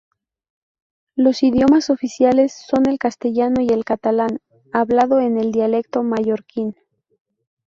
Los idiomas oficiales son el castellano y el catalán, hablado en el dialecto mallorquín.